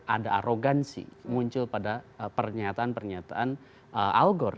ada arogansi muncul pada pernyataan pernyataan algor